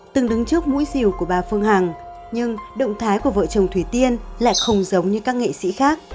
từng đứng trước mũi rìu của bà phương hằng nhưng động thái của vợ chồng thủy tiên lại không giống như các nghệ sĩ khác